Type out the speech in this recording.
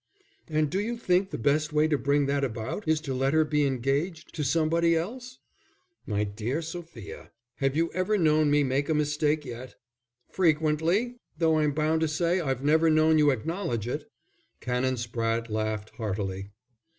"And do you think the best way to bring that about is to let her be engaged to somebody else?" "My dear Sophia, have you ever known me make a mistake yet?" "Frequently! Though I'm bound to say I've never known you acknowledge it." Canon Spratte laughed heartily.